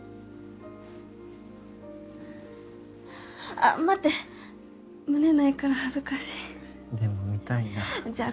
あっ待って胸ないから恥ずかしいでも見たいなじゃあ